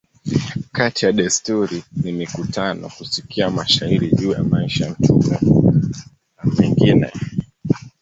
Kati ya desturi ni mikutano, kusikia mashairi juu ya maisha ya mtume a mengine.